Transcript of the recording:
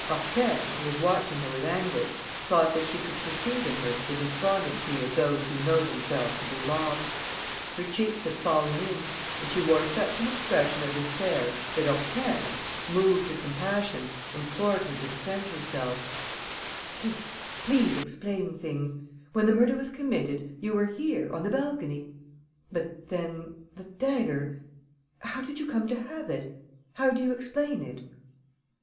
Hortense, who was watching her with anguish, thought that she could perceive in her the despondency of those who know themselves to be lost. Her cheeks had fallen in and she wore such an expression of despair that Hortense, moved to compassion, implored her to defend herself: "Please, please, explain things. When the murder was committed, you were here, on the balcony.... But then the dagger ... how did you come to have it ...? How do you explain it?..."